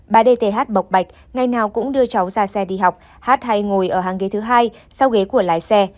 bà đê tề hát bọc bạch ngày nào cũng đưa cháu ra xe đi học hát hay ngồi ở hàng ghế thứ hai sau ghế của lái xe